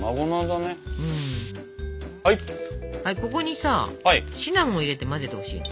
ここにさシナモン入れて混ぜてほしいの。